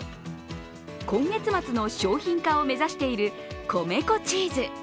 今月末の商品化を目指している米粉チーズ。